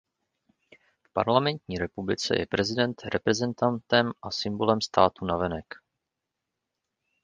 V parlamentní republice je prezident reprezentantem a symbolem státu navenek.